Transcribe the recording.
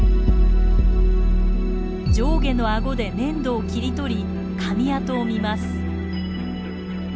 上下の顎で粘土を切り取りかみ跡を見ます。